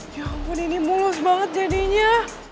ya ampun ini mulus banget jadinya